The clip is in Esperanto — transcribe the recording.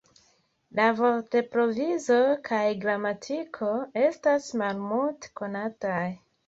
La vortprovizo kaj gramatiko estas malmulte konataj.